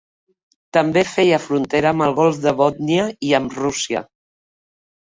També feia frontera amb el golf de Bòtnia i amb Rússia.